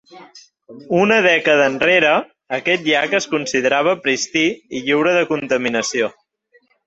Una dècada enrere, aquest llac es considerava pristí i lliure de contaminació.